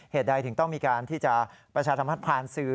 เหตุใดถึงต้องมีการที่จะประชาธรรมภาษาผ่านซื้อ